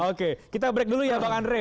oke kita break dulu ya bang andre